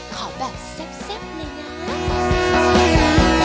ขอแบบแซ่บเลยนะ